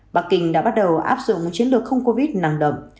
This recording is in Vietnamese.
bắc kinh đã bắt đầu áp dụng một chiến lược không covid nặng động